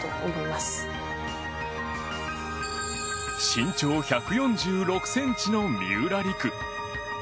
身長１４６ｃｍの三浦璃来。